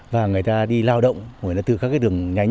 và người ta đi lao động người ta từ các cái đường nhánh